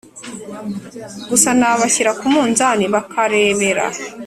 gusa na bashyira ku munzani bakarebera